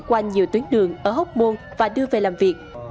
qua nhiều tuyến đường ở hốc môn và đưa về làm việc